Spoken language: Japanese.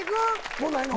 もうないの？